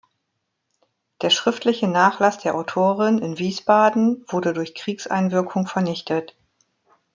Der schriftliche Nachlass der Autorin in Wiesbaden wurde durch Kriegseinwirkung vernichtet.